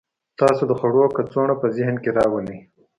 تاسو د خوړو کڅوړه په ذهن کې راولئ